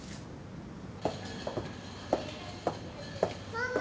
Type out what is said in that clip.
・ママ。